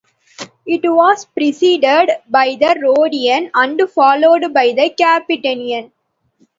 It was preceded by the Roadian and followed by the Capitanian.